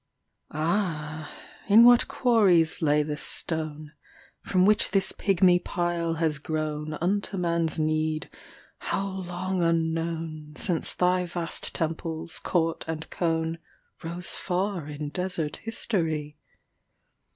Ah! in what quarries lay the stoneFrom which this pygmy pile has grown, Unto man's need how long unknown, Since thy vast temples, court and cone, Rose far in desert history?